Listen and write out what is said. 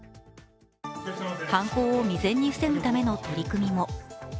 犯行を未然に防ぐための取り組みも。